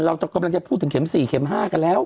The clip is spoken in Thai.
เรากำลังจะพูดถึงเข็ม๔เข็ม๕กันแล้ว